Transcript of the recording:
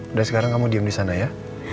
udah sekarang kamu diem disana ya